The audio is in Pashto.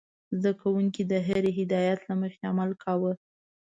زده کوونکي د هرې هدايت له مخې عمل کاوه.